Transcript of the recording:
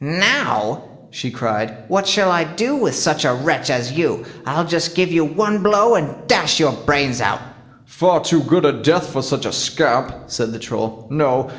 "Now", she cried, "what shall I do with such a wretch as you? I'll just give you one blow, and dash your brains out!" "Far too good a death for such a scamp", said the Troll. "No!